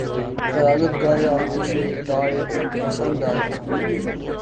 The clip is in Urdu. فراغت گاہ آغوش وداع دل پسند آیا